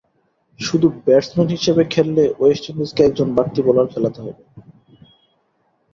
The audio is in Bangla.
শুধু ব্যাটসম্যান হিসেবে খেললে ওয়েস্ট ইন্ডিজকে একজন বাড়তি বোলার খেলাতে হবে।